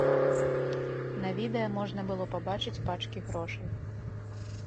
На відэа можна было пабачыць пачкі грошай.